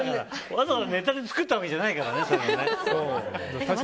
わざわざネタで作ったわけじゃないからね。